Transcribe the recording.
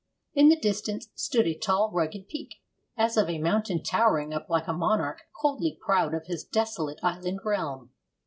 In the distance stood a tall, rugged peak, as of a mountain towering up like a monarch coldly proud of his desolate island realm.